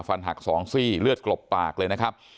หัก๒ซี่เลือดกลบปากเลยนะครับ